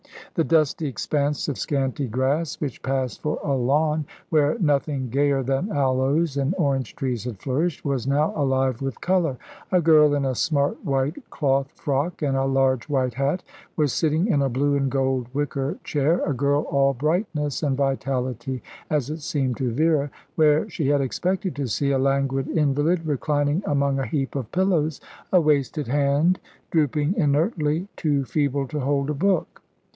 The dusty expanse of scanty grass which passed for a lawn, where nothing gayer than aloes and orange trees had flourished, was now alive with colour. A girl in a smart white cloth frock and a large white hat was sitting in a blue and gold wicker chair, a girl all brightness and vitality, as it seemed to Vera; where she had expected to see a languid invalid reclining among a heap of pillows, a wasted hand drooping inertly, too feeble to hold a book.